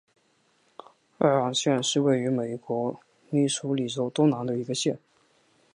艾昂县是位于美国密苏里州东南部的一个县。